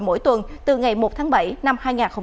mỗi tuần từ ngày một tháng bảy năm hai nghìn hai mươi bốn